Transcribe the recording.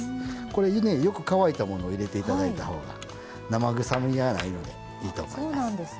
これねよく乾いたものを入れて頂いた方が生臭みがないのでいいと思います。